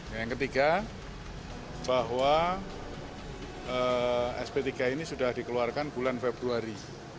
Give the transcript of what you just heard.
yang ketiga bahwa sp tiga ini sudah dikeluarkan bulan februari dua ribu delapan belas